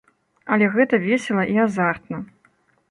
Але гэта весела і азартна.